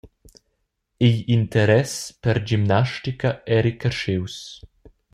Igl interess per gimnastica eri carschius.